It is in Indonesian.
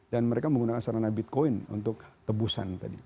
dan mereka menggunakan sarana bitcoin untuk tebusan tadi